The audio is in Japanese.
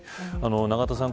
永田さん